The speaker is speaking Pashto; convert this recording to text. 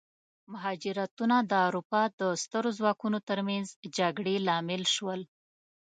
مهاجرتونه د اروپا د سترو ځواکونو ترمنځ جګړې لامل شول.